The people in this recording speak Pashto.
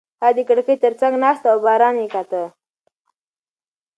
هغه د کړکۍ تر څنګ ناسته وه او باران یې کاته.